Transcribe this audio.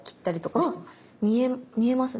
あっ見えますね